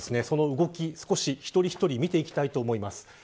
その動きを一人一人見ていきたいと思います。